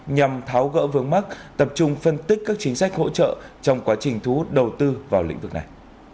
nhằm tháo gỡ vướng mắt tập trung phân tích các chính sách hỗ trợ trong quá trình thu hút đầu tư vào lĩnh vực này